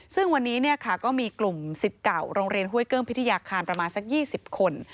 ซึ่งวันนี้ก็มีกลุ่มสิทธิ์เก่าโรงเรียนห้วยเกิ้งพิทยาคารประมาณสัก๒๐คน